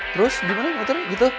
terus gimana muter gitu